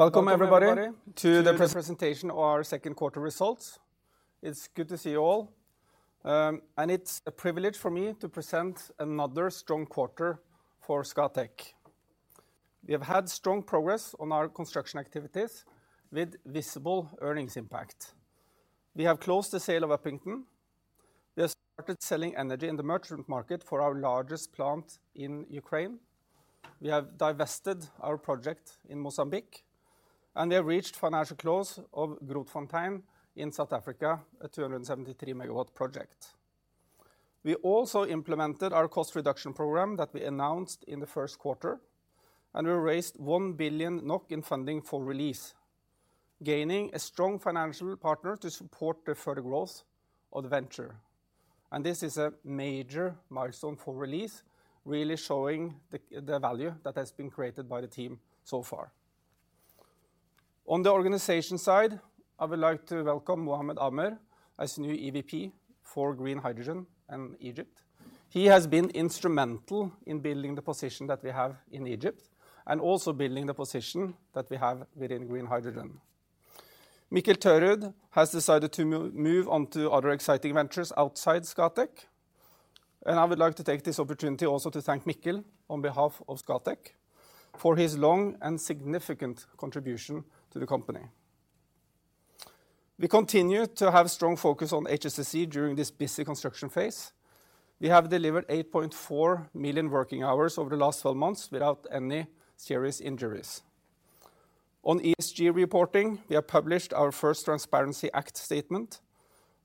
Welcome everybody, to the presentation of our second quarter results. It's good to see you all. It's a privilege for me to present another strong quarter for Scatec. We have had strong progress on our construction activities with visible earnings impact. We have closed the sale of Upington. We have started selling energy in the merchant market for our largest plant in Ukraine. We have divested our project in Mozambique. We have reached financial close of Grootfontein in South Africa, a 273 MW project. We also implemented our cost reduction program that we announced in the first quarter. We raised 1 billion NOK in funding for Release, gaining a strong financial partner to support the further growth of the venture. This is a major milestone for Release, really showing the, the value that has been created by the team so far. On the organization side, I would like to welcome Mohamed Amer as new EVP for Green Hydrogen and Egypt. He has been instrumental in building the position that we have in Egypt and also building the position that we have within Green Hydrogen. Mikkel Tørud has decided to move on to other exciting ventures outside Scatec. I would like to take this opportunity also to thank Mikkel on behalf of Scatec for his long and significant contribution to the company. We continue to have strong focus on HSE during this busy construction phase. We have delivered 8.4 million working hours over the last 12 months without any serious injuries. On ESG reporting, we have published our first Transparency Act statement,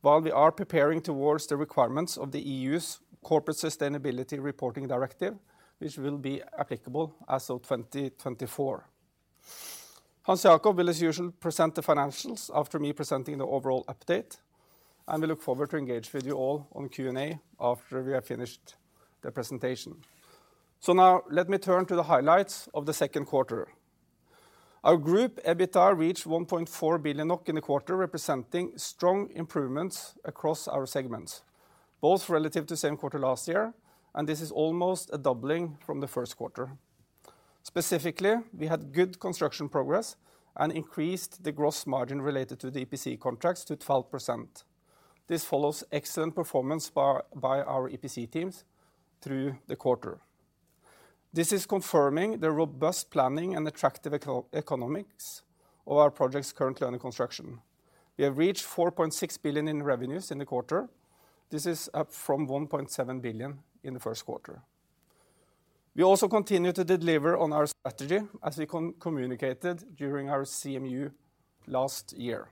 while we are preparing towards the requirements of the E.U.'s Corporate Sustainability Reporting Directive, which will be applicable as of 2024. Hans Jakob will, as usual, present the financials after me presenting the overall update. We look forward to engage with you all on Q&A after we have finished the presentation. Now let me turn to the highlights of the second quarter. Our group EBITDA reached 1.4 billion NOK in the quarter, representing strong improvements across our segments, both relative to the same quarter last year. This is almost a doubling from the first quarter. Specifically, we had good construction progress and increased the gross margin related to the EPC contracts to 12%. This follows excellent performance by our EPC teams through the quarter. This is confirming the robust planning and attractive economics of our projects currently under construction. We have reached 4.6 billion in revenues in the quarter. This is up from 1.7 billion in the first quarter. We also continue to deliver on our strategy as we communicated during our CMU last year.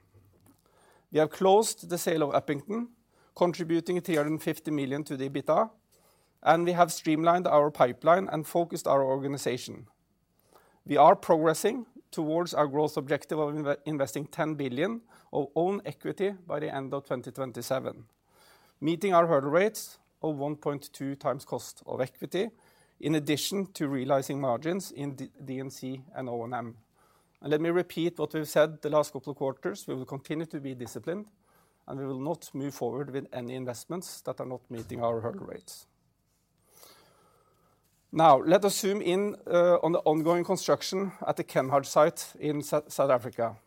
We have closed the sale of Upington, contributing 350 million to the EBITDA. We have streamlined our pipeline and focused our organization. We are progressing towards our growth objective of investing 10 billion of own equity by the end of 2027, meeting our hurdle rates of 1.2x cost of equity, in addition to realizing margins in D&C and O&M. Let me repeat what we've said the last couple of quarters, we will continue to be disciplined. We will not move forward with any investments that are not meeting our hurdle rates. Now, let us zoom in on the ongoing construction at the Kenhardt site in South Africa.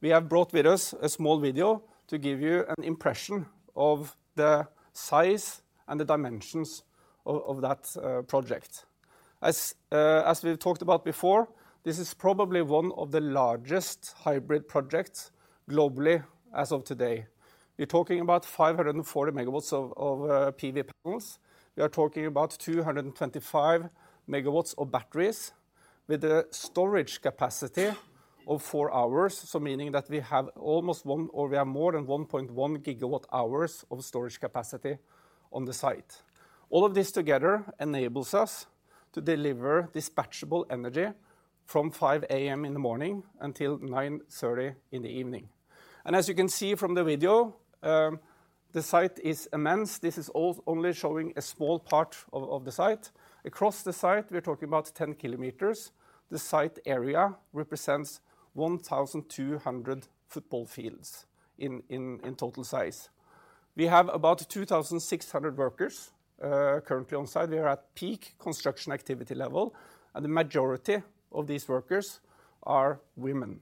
We have brought with us a small video to give you an impression of the size and the dimensions of, of that project. As, as we've talked about before, this is probably one of the largest hybrid projects globally as of today. We're talking about 540 MW of, of PV panels. We are talking about 225 MW of batteries with a storage capacity of four hours. So meaning that we have almost one... Or we have more than 1.1 GWh of storage capacity on the site. All of this together enables us to deliver dispatchable energy from 5:00 A.M. in the morning until 9:30 P.M. in the evening. As you can see from the video, the site is immense. This is only showing a small part of, of the site. Across the site, we're talking about 10 km. The site area represents 1,200 football fields in total size. We have about 2,600 workers currently on site. We are at peak construction activity level, the majority of these workers are women.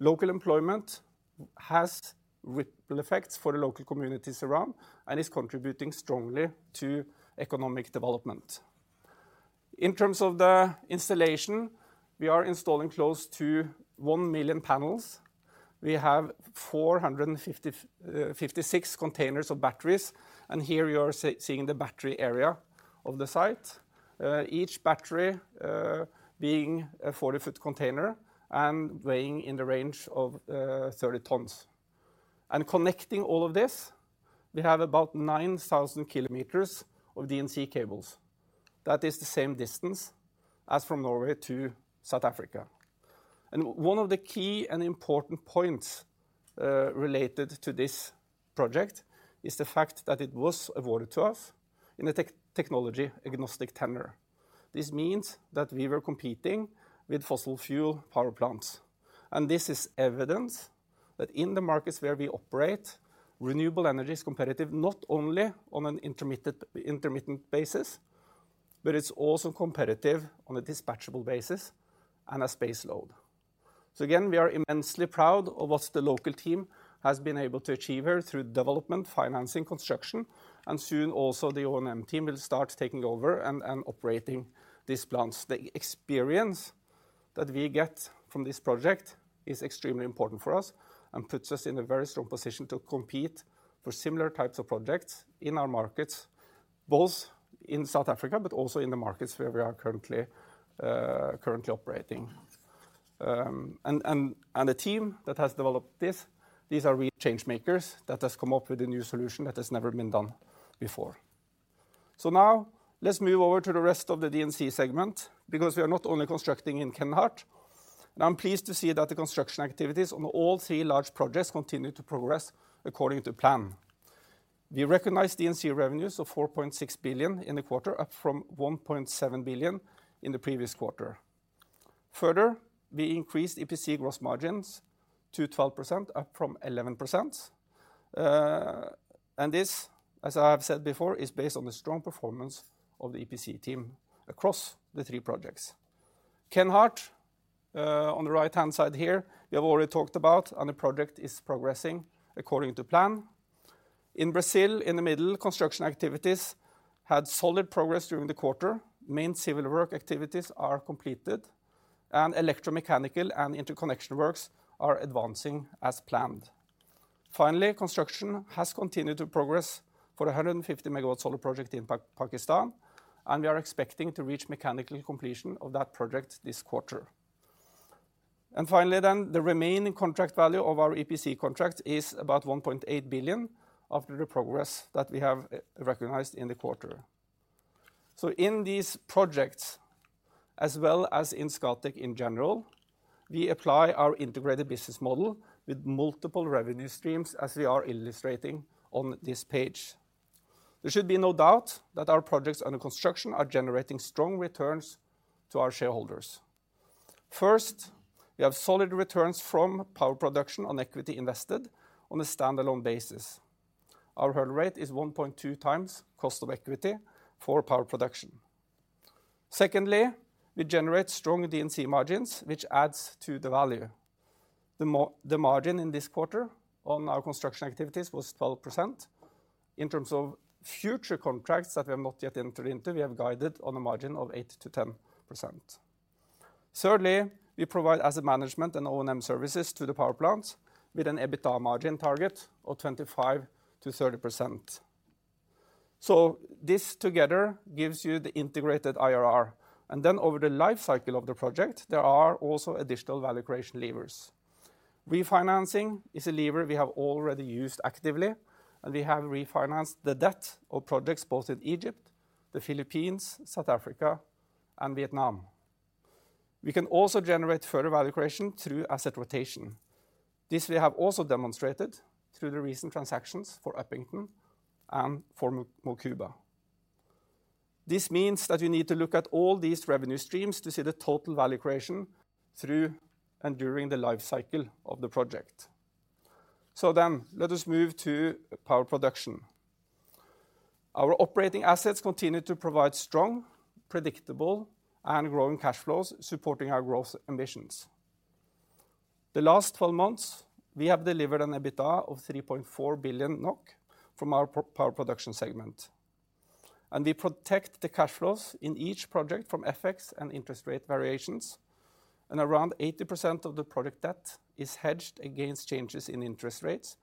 Local employment has ripple effects for the local communities around and is contributing strongly to economic development. In terms of the installation, we are installing close to one million panels. We have 456 containers of batteries, and here you are seeing the battery area of the site. Each battery being a 40 ft container and weighing in the range of 30 tons. Connecting all of this, we have about 9,000 km of D&C cables. That is the same distance as from Norway to South Africa. One of the key and important points related to this project is the fact that it was awarded to us in a technology agnostic tender. This means that we were competing with fossil fuel power plants, and this is evidence that in the markets where we operate, renewable energy is competitive not only on an intermittent basis, but it's also competitive on a dispatchable basis and a space load. Again, we are immensely proud of what the local team has been able to achieve here through development, financing, construction, and soon also the O&M team will start taking over and operating these plants. The experience that we get from this project is extremely important for us and puts us in a very strong position to compete for similar types of projects in our markets, both in South Africa, but also in the markets where we are currently operating. The team that has developed this, these are real change makers that has come up with a new solution that has never been done before. Now let's move over to the rest of the D&C segment, because we are not only constructing in Kenhardt, and I'm pleased to see that the construction activities on all three large projects continue to progress according to plan. We recognize D&C revenues of 4.6 billion in the quarter, up from 1.7 billion in the previous quarter. Further, we increased EPC gross margins to 12%, up from 11%. This, as I have said before, is based on the strong performance of the EPC team across the three projects. Kenhardt, on the right-hand side here, we have already talked about, the project is progressing according to plan. In Brazil, in the middle, construction activities had solid progress during the quarter. Main civil work activities are completed, electromechanical and interconnection works are advancing as planned. Finally, construction has continued to progress for a 150 MW solar project in Pakistan, we are expecting to reach mechanical completion of that project this quarter. Finally, the remaining contract value of our EPC contract is about 1.8 billion after the progress that we have recognized in the quarter. In these projects, as well as in Scatec in general, we apply our integrated business model with multiple revenue streams, as we are illustrating on this page. There should be no doubt that our projects under construction are generating strong returns to our shareholders. First, we have solid returns from power production on equity invested on a standalone basis. Our hurdle rate is 1.2x cost of equity for power production. Secondly, we generate strong D&C margins, which adds to the value. The margin in this quarter on our construction activities was 12%. In terms of future contracts that we have not yet entered into, we have guided on a margin of 8%-10%. Thirdly, we provide asset management and O&M services to the power plants with an EBITDA margin target of 25%-30%. This together gives you the integrated IRR. Then over the life cycle of the project, there are also additional value creation levers. Refinancing is a lever we have already used actively, and we have refinanced the debt of projects both in Egypt, the Philippines, South Africa, and Vietnam. We can also generate further value creation through asset rotation. This we have also demonstrated through the recent transactions for Upington and for Mocuba. This means that you need to look at all these revenue streams to see the total value creation through and during the life cycle of the project. Then, let us move to power production. Our operating assets continue to provide strong, predictable, and growing cash flows, supporting our growth ambitions. The last 12 months, we have delivered an EBITDA of 3.4 billion NOK from our power production segment, we protect the cash flows in each project from FX and interest rate variations. Around 80% of the project debt is hedged against changes in interest rates,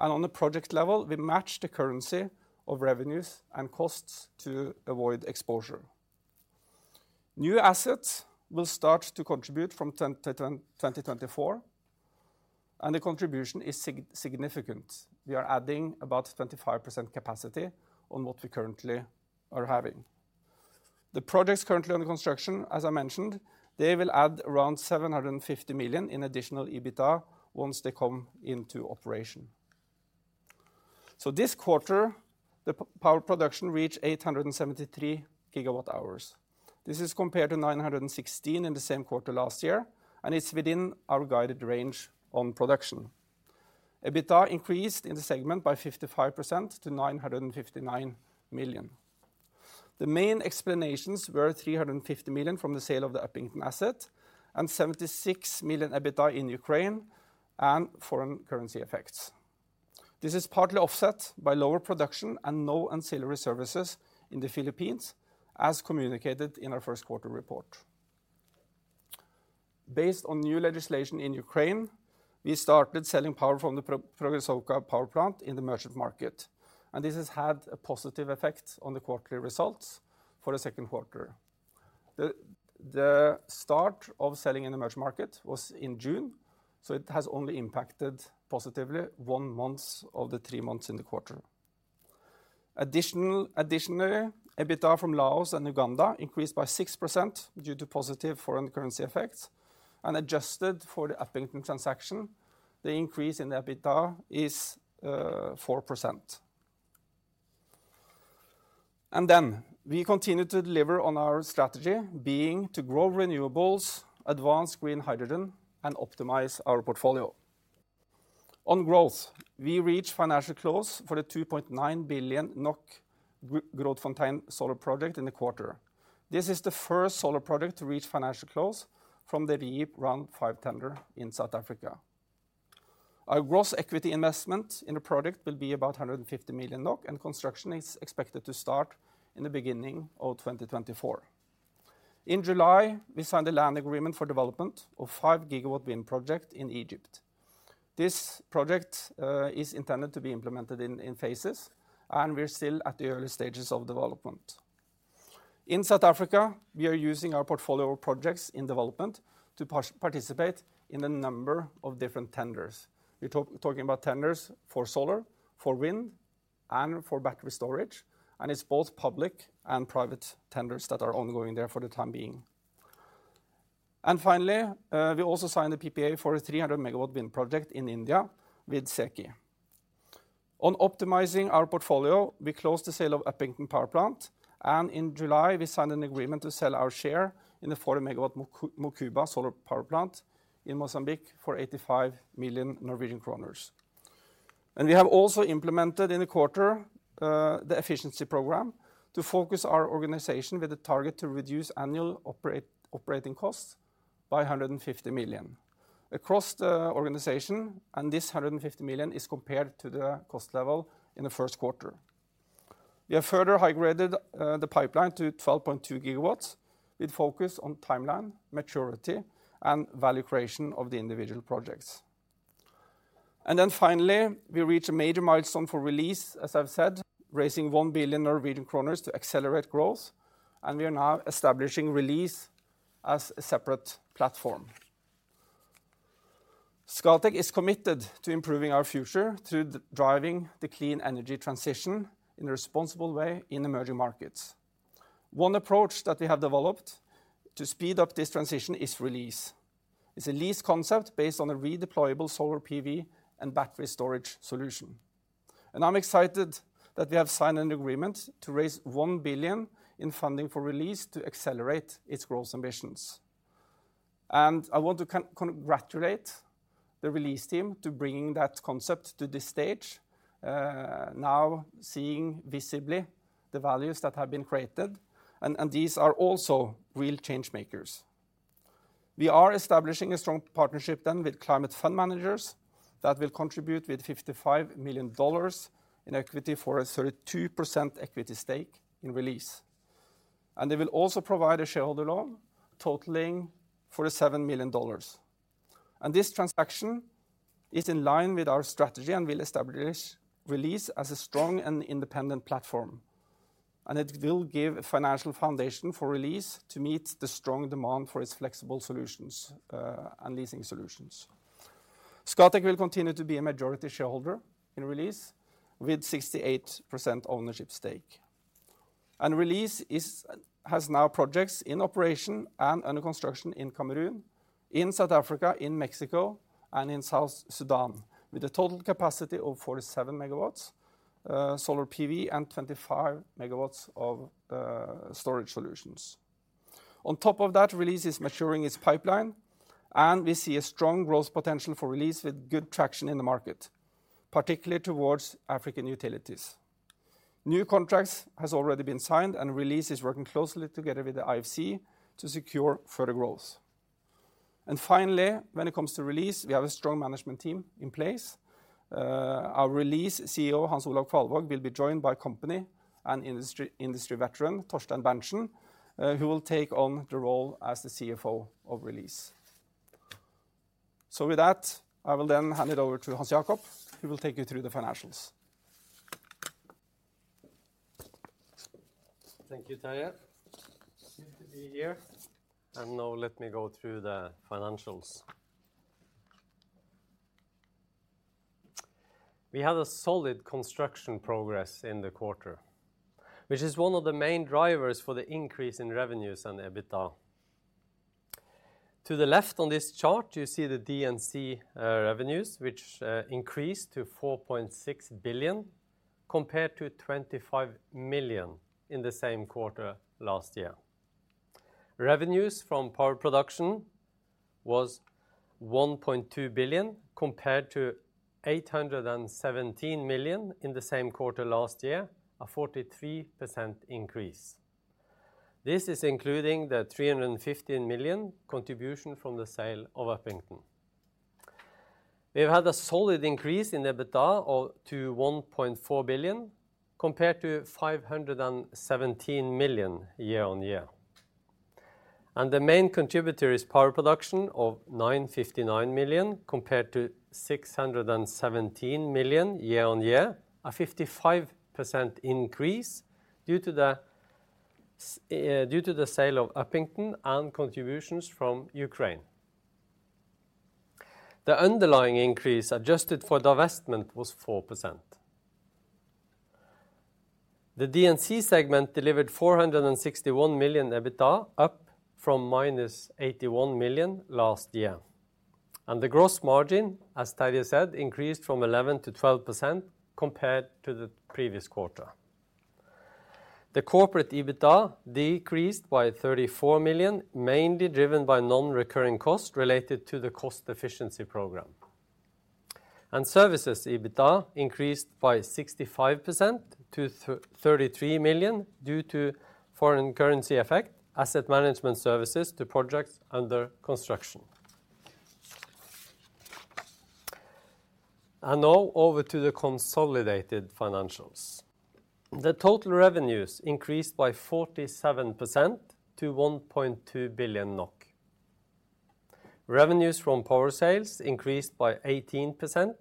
on the project level, we match the currency of revenues and costs to avoid exposure. New assets will start to contribute from 2024, the contribution is significant. We are adding about 25% capacity on what we currently are having. The projects currently under construction, as I mentioned, they will add around 750 million in additional EBITDA once they come into operation. This quarter, the power production reached 873 GWh. This is compared to 916 in the same quarter last year, it's within our guided range on production. EBITDA increased in the segment by 55% to 959 million. The main explanations were 350 million from the sale of the Upington and 76 million EBITDA in Ukraine and foreign currency effects. This is partly offset by lower production and no ancillary services in the Philippines, as communicated in our first quarter report. Based on new legislation in Ukraine, we started selling power from the Progressovka power plant in the merchant market, this has had a positive effect on the quarterly results for the second quarter. The start of selling in the merchant market was in June, it has only impacted positively one month of the three months in the quarter. Additionally, EBITDA from Laos and Uganda increased by 6% due to positive foreign currency effects, and adjusted for the Upington transaction, the increase in the EBITDA is 4%. We continue to deliver on our strategy, being to grow renewables, advance Green Hydrogen, and optimize our portfolio.... On growth, we reached financial close for the 2.9 billion NOK Grootfontein solar project in the quarter. This is the first solar project to reach financial close from the REIPPPP Round 5 tender in South Africa. Our gross equity investment in the project will be about 150 million NOK, and construction is expected to start in the beginning of 2024. In July, we signed a land agreement for development of 5 GW wind project in Egypt. This project is intended to be implemented in phases, and we're still at the early stages of development. In South Africa, we are using our portfolio of projects in development to participate in a number of different tenders. We're talking about tenders for solar, for wind, and for battery storage, and it's both public and private tenders that are ongoing there for the time being. Finally, we also signed a PPA for a 300 MW wind project in India with SECI. On optimizing our portfolio, we closed the sale of Upington Power Plant, and in July, we signed an agreement to sell our share in the 40 MW Mocuba Solar Power Plant in Mozambique for 85 million Norwegian kroner. We have also implemented in the quarter, the efficiency program to focus our organization with a target to reduce annual operate-operating costs by 150 million. Across the organization. This 150 million is compared to the cost level in the first quarter. We have further high-graded the pipeline to 12.2 gigawatts, with focus on timeline, maturity, and value creation of the individual projects. Finally, we reached a major milestone for Release, as I've said, raising 1 billion Norwegian kroner to accelerate growth, and we are now establishing Release as a separate platform. Scatec is committed to improving our future through d- driving the clean energy transition in a responsible way in emerging markets. One approach that we have developed to speed up this transition is Release. It's a lease concept based on a redeployable solar PV and battery storage solution. I'm excited that we have signed an agreement to raise $1 billion in funding for Release to accelerate its growth ambitions. I want to congratulate the Release team to bringing that concept to this stage, now seeing visibly the values that have been created, and these are also real change makers. We are establishing a strong partnership then with Climate Fund Managers that will contribute with $55 million in equity for a 32% equity stake in Release. They will also provide a shareholder loan totaling $47 million. This transaction is in line with our strategy and will establish Release as a strong and independent platform, and it will give a financial foundation for Release to meet the strong demand for its flexible solutions, and leasing solutions. Scatec will continue to be a majority shareholder in Release, with 68% ownership stake. Release has now projects in operation and under construction in Cameroon, in South Africa, in Mexico, and in South Sudan, with a total capacity of 47 MW, solar PV and 25 MW of storage solutions. On top of that, Release is maturing its pipeline, and we see a strong growth potential for Release with good traction in the market, particularly towards African utilities. New contracts has already been signed, and Release is working closely together with the IFC to secure further growth. Finally, when it comes to Release, we have a strong management team in place. Our Release CEO, Hans Olav Kvalvaag, will be joined by company and industry veteran, Torstein Berntsen, who will take on the role as the CFO of Release. With that, I will then hand it over to Hans Jakob, who will take you through the financials. Thank you, Terje. Good to be here. Now let me go through the financials. We had a solid construction progress in the quarter, which is one of the main drivers for the increase in revenues and EBITDA. To the left on this chart, you see the D&C revenues, which increased to 4.6 billion, compared to 25 million in the same quarter last year. Revenues from power production was 1.2 billion, compared to 817 million in the same quarter last year, a 43% increase. This is including the 315 million contribution from the sale of Upington. We've had a solid increase in EBITDA of, to 1.4 billion, compared to 517 million year-on-year. The main contributor is power production of 959 million, compared to 617 million year-on-year, a 55% increase due to the sale of Upington and contributions from Ukraine. The underlying increase, adjusted for divestment, was 4%. The D&C segment delivered 461 million EBITDA, up from minus 81 million last year. The gross margin, as Terje said, increased from 11%-12% compared to the previous quarter. The corporate EBITDA decreased by 34 million, mainly driven by non-recurring costs related to the cost efficiency program. Services EBITDA increased by 65% to 33 million due to foreign currency effect, asset management services to projects under construction. Now over to the consolidated financials. The total revenues increased by 47% to 1.2 billion NOK. Revenues from power sales increased by 18%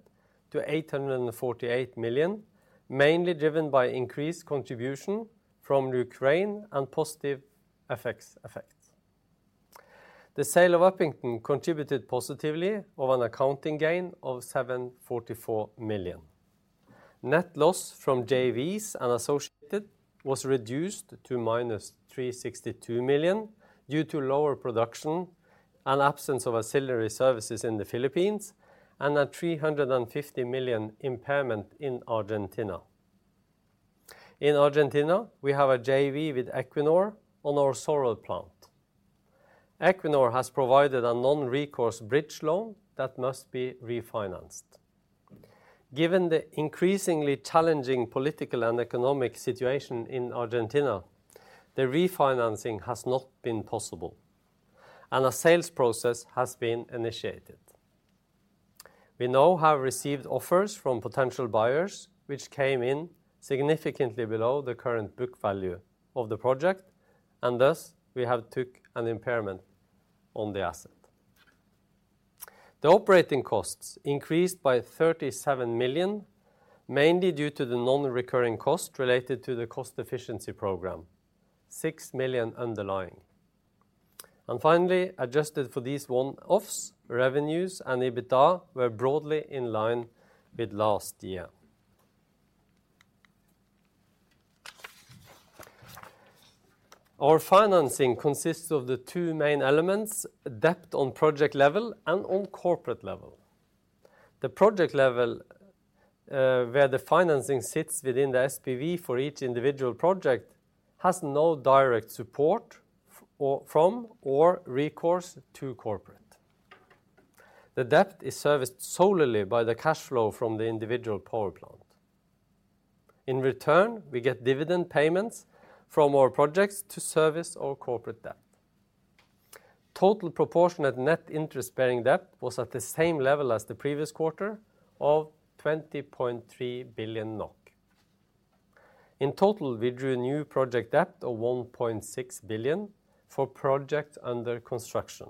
to 848 million, mainly driven by increased contribution from Ukraine and positive effects. The sale of Upington contributed positively of an accounting gain of 744 million. Net loss from JVs and associated was reduced to minus 362 million due to lower production and absence of ancillary services in the Philippines, and a 350 million impairment in Argentina. In Argentina, we have a JV with Equinor on our solar plant. Equinor has provided a non-recourse bridge loan that must be refinanced. Given the increasingly challenging political and economic situation in Argentina, the refinancing has not been possible, and a sales process has been initiated. We now have received offers from potential buyers, which came in significantly below the current book value of the project, and thus, we have took an impairment on the asset. The operating costs increased by 37 million, mainly due to the non-recurring cost related to the cost efficiency program, 6 million underlying. Finally, adjusted for these one-offs, revenues and EBITDA were broadly in line with last year. Our financing consists of the two main elements, debt on project level and on corporate level. The project level, where the financing sits within the SPV for each individual project, has no direct support or from or recourse to corporate. The debt is serviced solely by the cash flow from the individual power plant. In return, we get dividend payments from our projects to service our corporate debt. Total proportionate net interest-bearing debt was at the same level as the previous quarter of 20.3 billion NOK. In total, we drew new project debt of 1.6 billion for project under construction.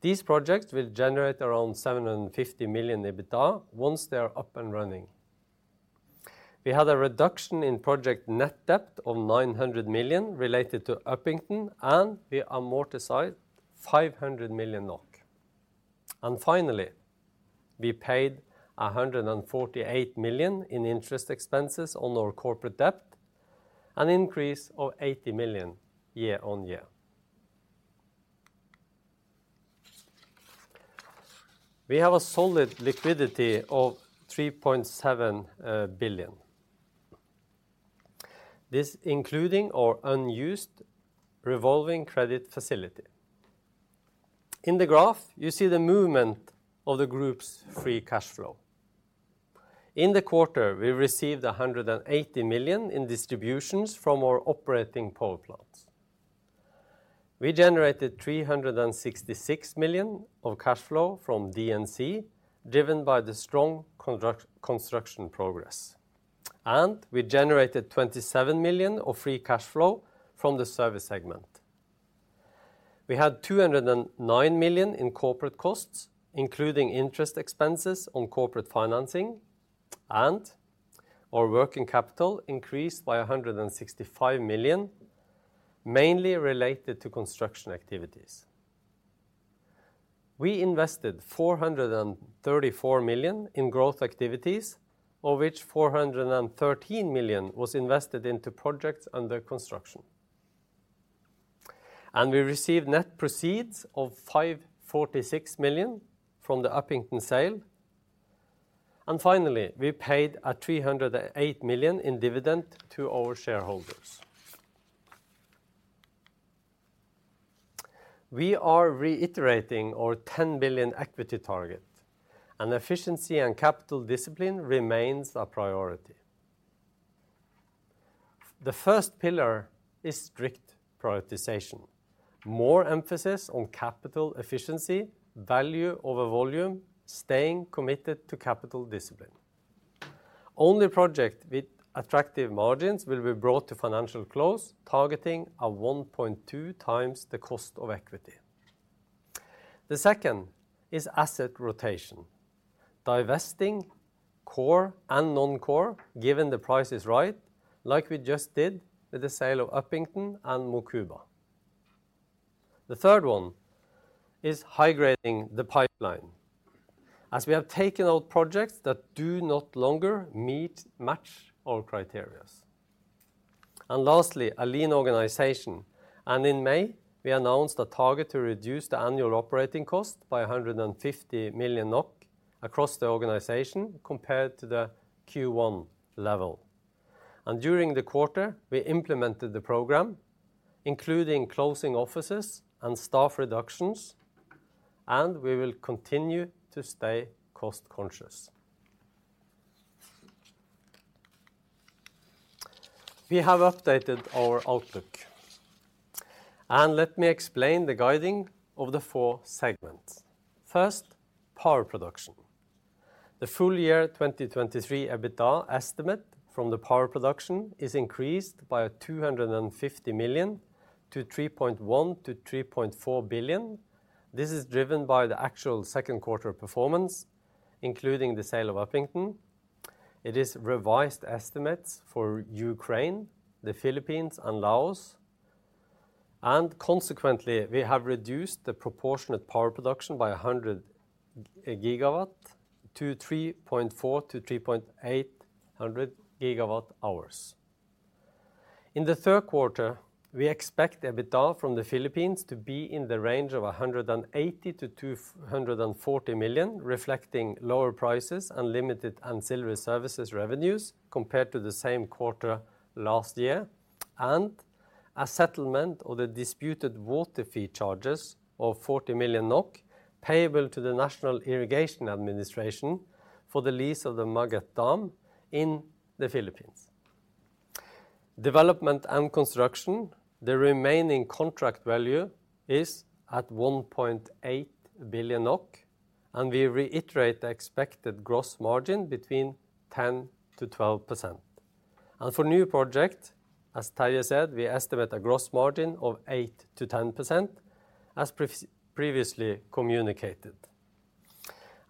These projects will generate around 750 million EBITDA once they are up and running. We had a reduction in project net debt of 900 million related to Upington. We amortized 500 million NOK. Finally, we paid 148 million in interest expenses on our corporate debt, an increase of 80 million year-over-year. We have a solid liquidity of 3.7 billion. This including our unused revolving credit facility. In the graph, you see the movement of the group's free cash flow. In the quarter, we received 180 million in distributions from our operating power plants. We generated 366 million of cash flow from D&C, driven by the strong construction progress. We generated 27 million of free cash flow from the service segment. We had 209 million in corporate costs, including interest expenses on corporate financing. Our working capital increased by 165 million, mainly related to construction activities. We invested 434 million in growth activities, of which 413 million was invested into projects under construction. We received net proceeds of 546 million from the Upington sale. Finally, we paid 308 million in dividend to our shareholders. We are reiterating our 10 billion equity target. Efficiency and capital discipline remains a priority. The first pillar is strict prioritization, more emphasis on capital efficiency, value over volume, staying committed to capital discipline. Only project with attractive margins will be brought to financial close, targeting a 1.2x the cost of equity. The second is asset rotation, divesting core and non-core, given the price is right, like we just did with the sale of Upington and Mocuba. The third one is high-grading the pipeline, as we have taken out projects that do not longer meet, match our criterias. Lastly, a lean organization. In May, we announced a target to reduce the annual operating cost by 150 million NOK across the organization, compared to the Q1 level. During the quarter, we implemented the program, including closing offices and staff reductions, and we will continue to stay cost-conscious. We have updated our outlook. Let me explain the guiding of the four segments. First, power production. The full year 2023 EBITDA estimate from the power production is increased by 250 million to 3.1 billion-3.4 billion. This is driven by the actual second quarter performance, including the sale of Upington. It is revised estimates for Ukraine, the Philippines, and Laos. Consequently, we have reduced the proportionate power production by 100 GW to 3.400 GWh-3.800 GWh. In the third quarter, we expect EBITDA from the Philippines to be in the range of 180 million-240 million, reflecting lower prices and limited ancillary services revenues compared to the same quarter last year. A settlement of the disputed water fee charges of 40 million NOK, payable to the National Irrigation Administration for the lease of the Magat Dam in the Philippines. Development and construction, the remaining contract value is at 1.8 billion NOK. We reiterate the expected gross margin between 10%-12%. For new project, as Terje said, we estimate a gross margin of 8%-10%, as previously communicated.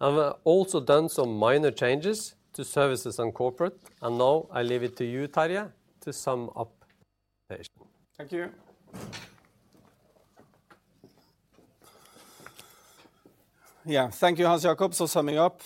I've also done some minor changes to services and corporate, and now I leave it to you, Terje, to sum up the presentation. Thank you. Yeah, thank you, Hans Jakob. Summing up,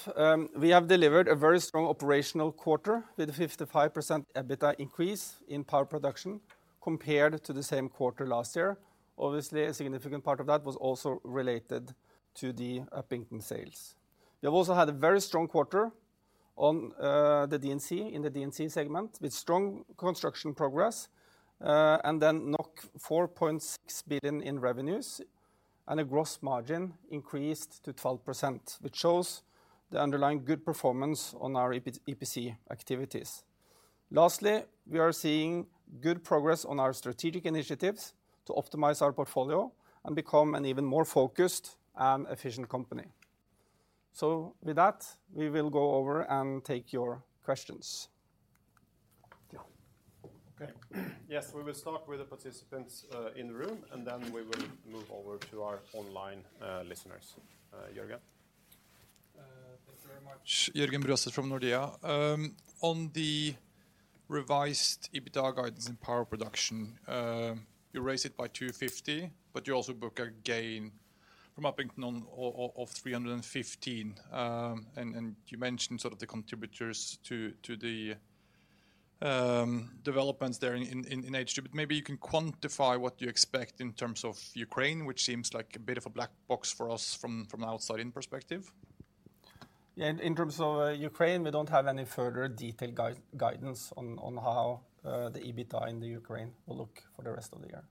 we have delivered a very strong operational quarter, with a 55% EBITDA increase in power production compared to the same quarter last year. Obviously, a significant part of that was also related to the Upington sales. We have also had a very strong quarter on the D&C, in the D&C segment, with strong construction progress, and then 4.6 billion in revenues and a gross margin increased to 12%, which shows the underlying good performance on our EPC activities. Lastly, we are seeing good progress on our strategic initiatives to optimize our portfolio and become an even more focused and efficient company. With that, we will go over and take your questions. Yeah. Okay. Yes, we will start with the participants, in the room, and then we will move over to our online, listeners. Jørgen? Thank you very much. Jørgen Bruaset from Nordea. On the revised EBITDA guidance and power production, you raise it by 250, but you also book a gain from Upington of 315. You mentioned sort of the contributors to the developments there in H2. Maybe you can quantify what you expect in terms of Ukraine, which seems like a bit of a black box for us from an outside-in perspective. Yeah, in terms of Ukraine, we don't have any further detailed guidance on, on how, the EBITDA in the Ukraine will look for the rest of the year.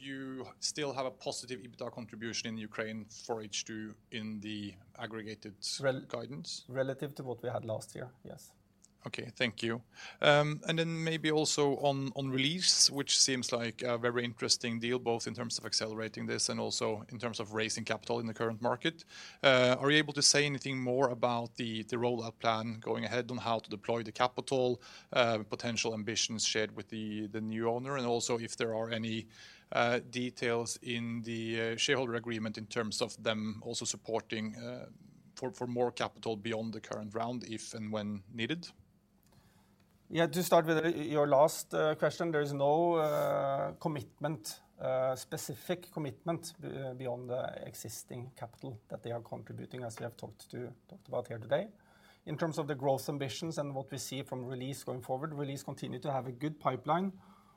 You still have a positive EBITDA contribution in Ukraine for H2 in the aggregated. Rel- -Guidance? Relative to what we had last year, yes. Okay, thank you. Then maybe also on, on Release, which seems like a very interesting deal, both in terms of accelerating this and also in terms of raising capital in the current market. Are you able to say anything more about the rollout plan going ahead on how to deploy the capital, potential ambitions shared with the new owner? Also if there are any details in the shareholder agreement in terms of them also supporting for more capital beyond the current round, if and when needed. Yeah, to start with, your last question, there is no commitment, specific commitment beyond the existing capital that they are contributing, as we have talked to, talked about here today. In terms of the growth ambitions and what we see from Release going forward, Release continue to have a good pipeline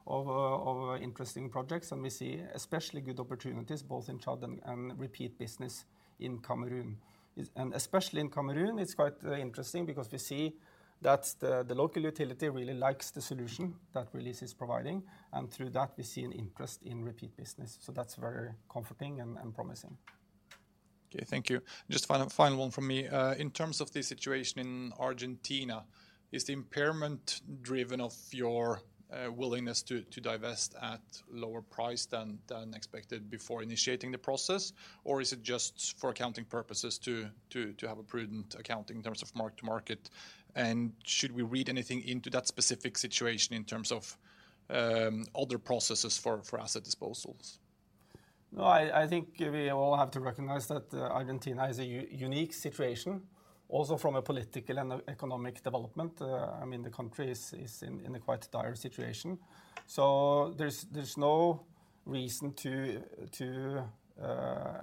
of interesting projects, and we see especially good opportunities both in Chad and, and repeat business in Cameroon. Especially in Cameroon, it's quite interesting because we see that the, the local utility really likes the solution that Release is providing, and through that we see an interest in repeat business. That's very comforting and, and promising. Okay, thank you. Just final, final one from me. In terms of the situation in Argentina, is the impairment driven of your willingness to, to divest at lower price than, than expected before initiating the process? Or is it just for accounting purposes to, to, to have a prudent accounting in terms of mark to market? And should we read anything into that specific situation in terms of other processes for, for asset disposals? No, I think we all have to recognize that Argentina is a unique situation, also from a political and economic development. I mean, the country is, is in, in a quite dire situation, so there's, there's no reason to, to,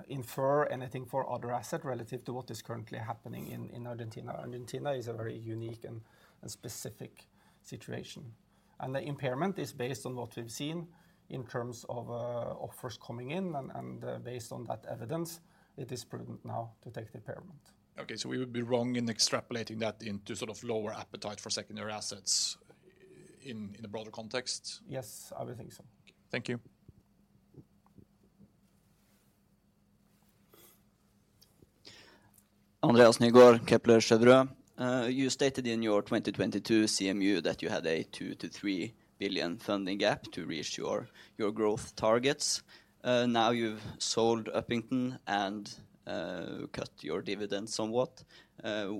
infer anything for other asset relative to what is currently happening in, in Argentina. Argentina is a very unique and, and specific situation. The impairment is based on what we've seen in terms of, offers coming in, and, and, based on that evidence, it is prudent now to take the impairment. Okay, we would be wrong in extrapolating that into sort of lower appetite for secondary assets in, in a broader context? Yes, I would think so. Thank you. Andreas Nygård, Kepler Cheuvreux. You stated in your 2022 CMU that you had a 2 billion-3 billion funding gap to reach your, your growth targets. Now you've sold Upington and cut your dividends somewhat.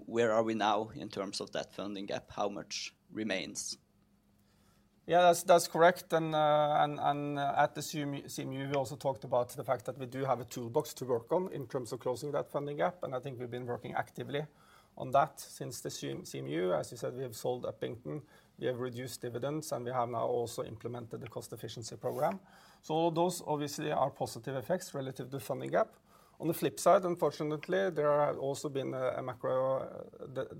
Where are we now in terms of that funding gap? How much remains? Yeah, that's, that's correct. At the CMU, CMU, we also talked about the fact that we do have a toolbox to work on in terms of closing that funding gap. I think we've been working actively on that since the CMU. As you said, we have sold Upington, we have reduced dividends. We have now also implemented the cost efficiency program. Those obviously are positive effects relative to the funding gap. On the flip side, unfortunately, there have also been a macro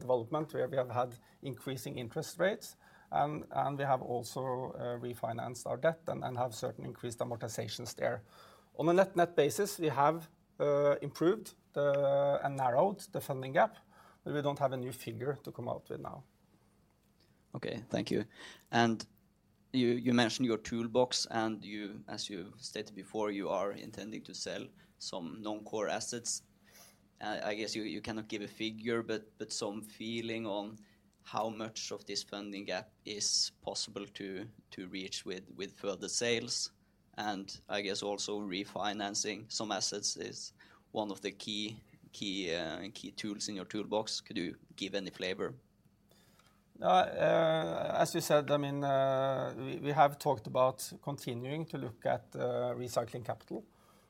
development where we have had increasing interest rates. We have also refinanced our debt and have certain increased amortizations there. On a net, net basis, we have improved and narrowed the funding gap. We don't have a new figure to come out with now. Okay. Thank you. You, you mentioned your toolbox, and as you've stated before, you are intending to sell some non-core assets. I guess you, you cannot give a figure, but some feeling on how much of this funding gap is possible to reach with further sales, and I guess also refinancing some assets is one of the key tools in your toolbox. Could you give any flavor? As you said, I mean, we, we have talked about continuing to look at recycling capital.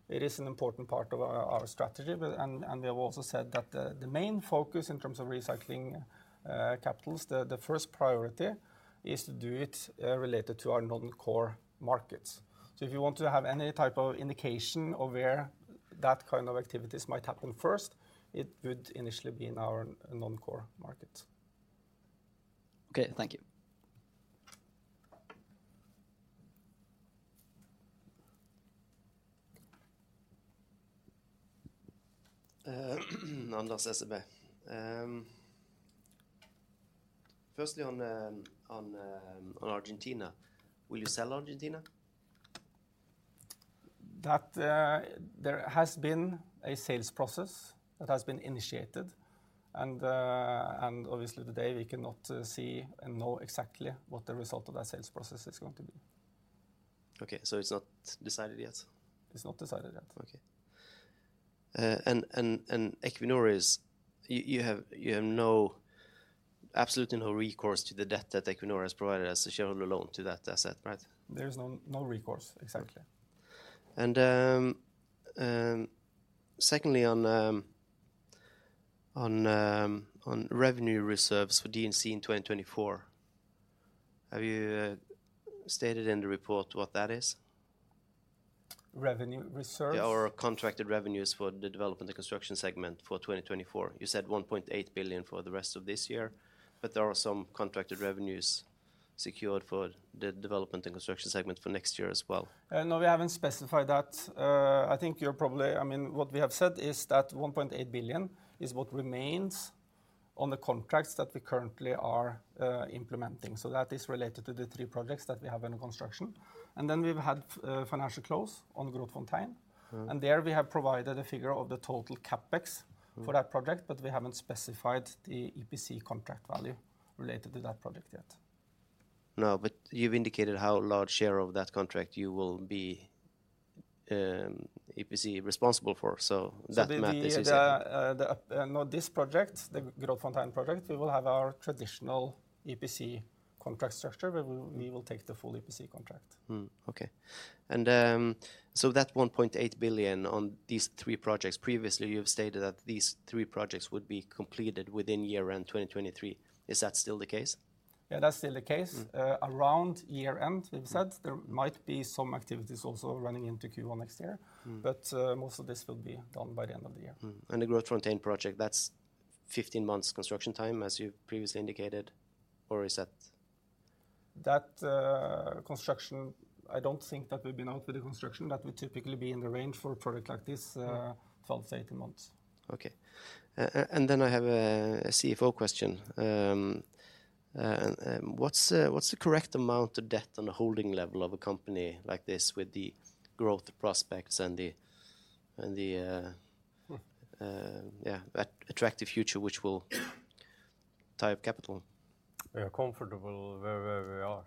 It is an important part of our, our strategy. We have also said that the, the main focus in terms of recycling capitals, the, the first priority is to do it related to our non-core markets. If you want to have any type of indication of where that kind of activities might happen first, it would initially be in our non-core markets. Okay. Thank you. Anders, SEB. firstly, on, on, on Argentina. Will you sell Argentina? That, there has been a sales process that has been initiated, and, and obviously, today, we cannot, see and know exactly what the result of that sales process is going to be. Okay, it's not decided yet? It's not decided yet. Okay. Equinor is... You have, you have no, absolutely no recourse to the debt that Equinor has provided as a shareholder loan to that asset, right? There is no recourse. Exactly. secondly, on revenue reserves for D&C in 2024, have you stated in the report what that is? Revenue reserves? Yeah, contracted revenues for the Development and Construction segment for 2024. You said 1.8 billion for the rest of this year, but there are some contracted revenues secured for the Development and Construction segment for next year as well. No, we haven't specified that. I think, I mean, what we have said is that 1.8 billion is what remains on the contracts that we currently are implementing. That is related to the three projects that we have under construction. Then we've had financial close on Grootfontein. Mm. There, we have provided a figure of the total CapEx. Mm ... For that project, but we haven't specified the EPC contract value related to that project yet. You've indicated how large share of that contract you will be, EPC responsible for, so that math is. The, this project, the Grootfontein project, we will have our traditional EPC contract structure, where we will, we will take the full EPC contract. Mm. Okay. That 1.8 billion on these three projects, previously, you've stated that these three projects would be completed within year-end 2023. Is that still the case? Yeah, that's still the case. Mm. Around year-end, we've said there might be some activities also running into Q1 next year. Mm. Most of this will be done by the end of the year. Mm. The Grootfontein project, that's 15 months construction time, as you previously indicated, or is that? That, construction, I don't think that we've been out with the construction. That would typically be in the range for a project like this, 12 to 18 months. Okay. Then I have a, a CFO question. What's what's the correct amount of debt on the holding level of a company like this, with the growth prospects and the, and the, - Mm Yeah, attractive future, which will tie up capital? We are comfortable where, where we are.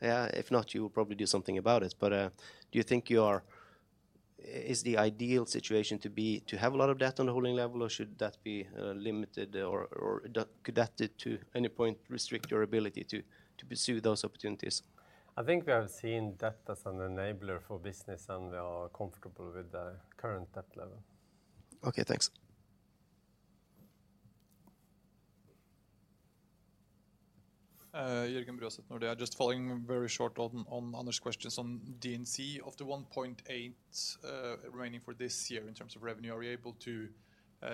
Yeah. If not, you will probably do something about it, do you think is the ideal situation to be, to have a lot of debt on the holding level, or should that be limited or could that, to any point, restrict your ability to pursue those opportunities? I think we have seen debt as an enabler for business, and we are comfortable with the current debt level. Okay, thanks. Jørgen Bruaset, Nordea. Just following very short on Anders' questions on D&C. Of the 1.8 billion remaining for this year in terms of revenue, are you able to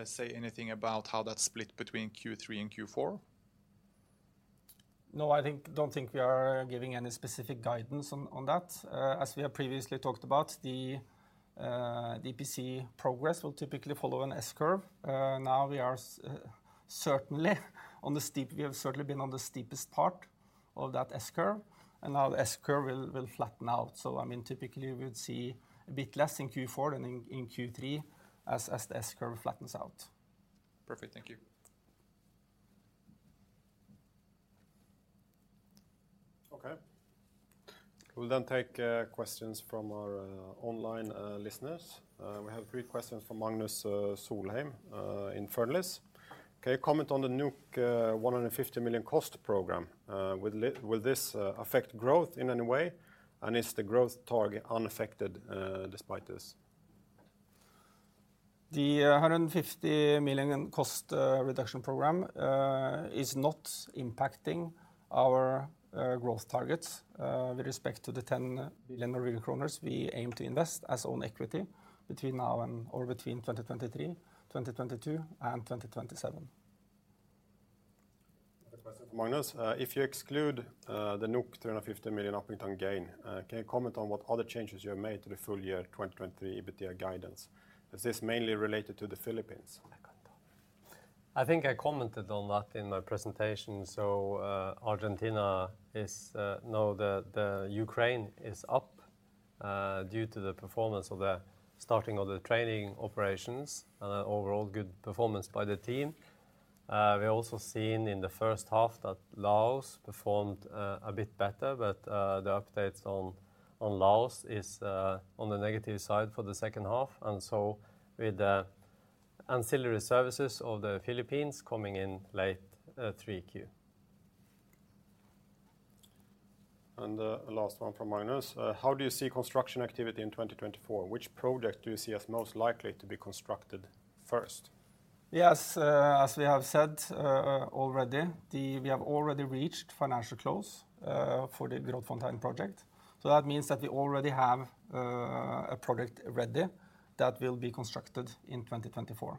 say anything about how that's split between Q3 and Q4? No, I don't think we are giving any specific guidance on that. As we have previously talked about, the EPC progress will typically follow an S-curve. Now we have certainly been on the steepest part of that S-curve, and now the S-curve will flatten out. I mean, typically, we would see a bit less in Q4 than in Q3 as the S-curve flattens out. Perfect. Thank you. Okay. We'll take questions from our online listeners. We have three questions from Magnus Solheim in Fearnley Securities. "Can you comment on the 150 million cost program? Will this affect growth in any way? Is the growth target unaffected despite this? The 150 million cost reduction program is not impacting our growth targets. With respect to the 10 billion Norwegian kroner, we aim to invest as own equity between now and or between 2023, 2022, and 2027. Next question from Magnus: "If you exclude the 350 million operating gain, can you comment on what other changes you have made to the full year 2023 EBITDA guidance? Is this mainly related to the Philippines? I think I commented on that in my presentation. Argentina is... No, Ukraine is up due to the performance of the starting of the trading operations, overall good performance by the team. We're also seeing in the first half that Laos performed a bit better, but the updates on, on Laos is on the negative side for the second half, so with the ancillary services of the Philippines coming in late, 3Q. Last one from Magnus: "How do you see construction activity in 2024? Which project do you see as most likely to be constructed first? As we have said, already, we have already reached financial close for the Grootfontein project. That means that we already have a project ready that will be constructed in 2024.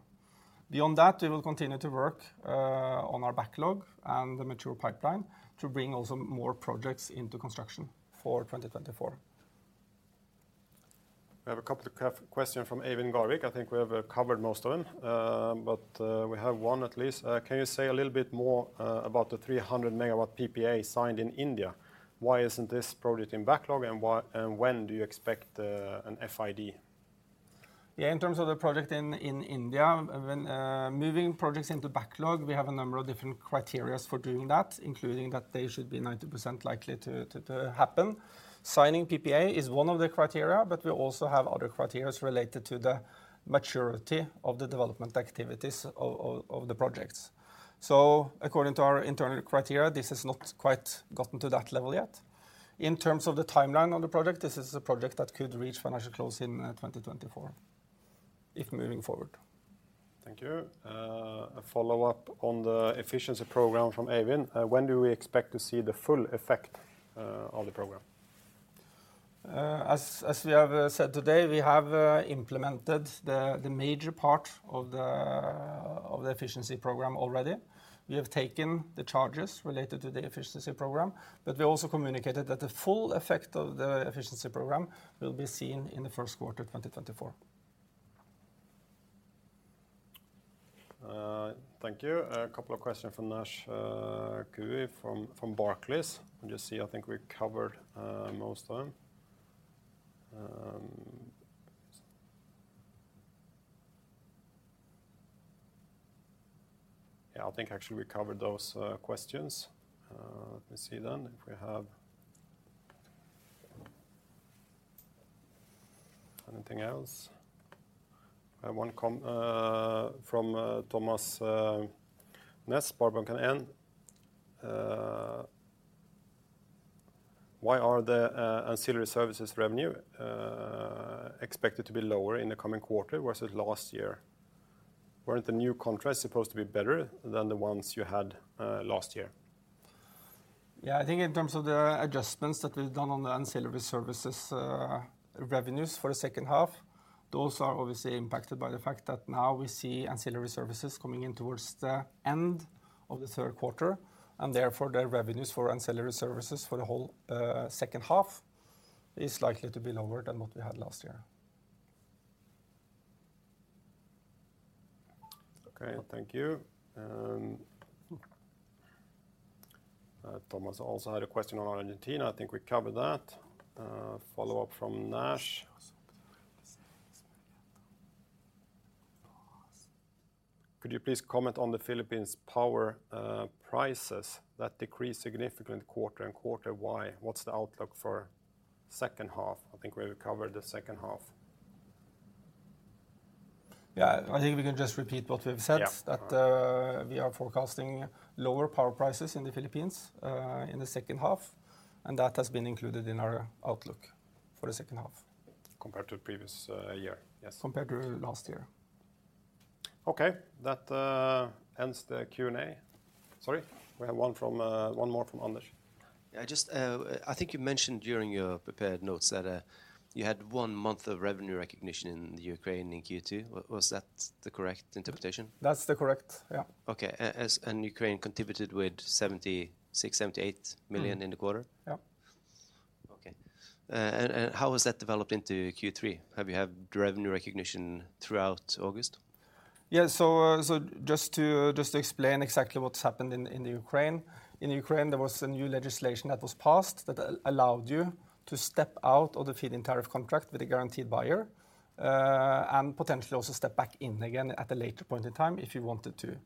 Beyond that, we will continue to work on our backlog and the mature pipeline to bring also more projects into construction for 2024. We have a couple of questions from Eivind Garvik. I think we have covered most of them, but we have one at least: "Can you say a little bit more about the 300 MW PPA signed in India? Why isn't this project in backlog, and when do you expect an FID? Yeah, in terms of the project in, in India, when... Moving projects into backlog, we have a number of different criterias for doing that, including that they should be 90% likely to, to, to happen. Signing PPA is one of the criteria, but we also have other criterias related to the maturity of the development activities of, of, of the projects. According to our internal criteria, this has not quite gotten to that level yet. In terms of the timeline of the project, this is a project that could reach financial close in 2024, if moving forward. Thank you. A follow-up on the efficiency program from Eivind: "When do we expect to see the full effect of the program? As we have said today, we have implemented the major part of the efficiency program already. We have taken the charges related to the efficiency program. We also communicated that the full effect of the efficiency program will be seen in the first quarter of 2024. Thank you. A couple of questions from Naisheng Cui from Barclays. Let me just see. I think we covered most of them. Yeah, I think actually we covered those questions. Let me see then if we have anything else. I have one from Thomas Næss, Pareto Securities: "Why are the ancillary services revenue expected to be lower in the coming quarter versus last year? Weren't the new contracts supposed to be better than the ones you had last year? I think in terms of the adjustments that we've done on the ancillary services, revenues for the second half, those are obviously impacted by the fact that now we see ancillary services coming in towards the end of the third quarter, and therefore, the revenues for ancillary services for the whole second half is likely to be lower than what we had last year. Okay, thank you. Thomas also had a question on Argentina. I think we covered that. Follow-up from Nash: "Could you please comment on the Philippines' power prices that decreased significantly quarter-over-quarter? Why? What's the outlook for second half?" I think we have covered the second half. Yeah, I think we can just repeat what we've said... Yeah... That, we are forecasting lower power prices in the Philippines, in the second half, and that has been included in our outlook for the second half. Compared to the previous year? Yes. Compared to last year. Okay, that ends the Q&A. Sorry, we have one from, one more from Anders. Yeah, just, I think you mentioned during your prepared notes that, you had 1 month of revenue recognition in Ukraine in Q2. Was, was that the correct interpretation? That's the correct, yeah. Okay, and Ukraine contributed with 76 million-78 million in the quarter? Yeah. Okay. And how has that developed into Q3? Have you had revenue recognition throughout August? Yeah, just to, just to explain exactly what's happened in, in the Ukraine. In Ukraine, there was a new legislation that was passed that allowed you to step out of the feed-in tariff contract with a guaranteed buyer, and potentially also step back in again at a later point in time if you wanted to.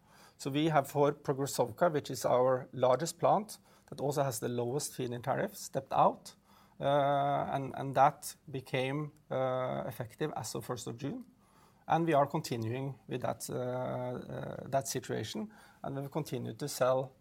We have for Progressovka, which is our largest plant, that also has the lowest feed-in tariff, stepped out, and that became effective as of 1st of June, and we are continuing with that situation, and we've continued to sell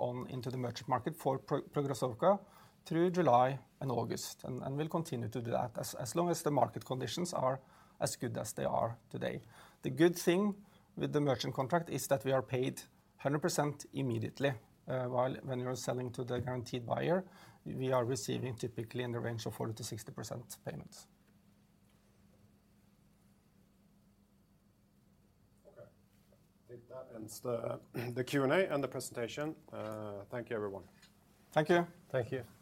on into the merchant market for Progressovka through July and August, and we'll continue to do that as long as the market conditions are as good as they are today. The good thing with the merchant contract is that we are paid 100% immediately. While when you are selling to the guaranteed buyer, we are receiving typically in the range of 40%-60% payments. I think that ends the, the Q&A and the presentation. Thank you, everyone. Thank you. Thank you.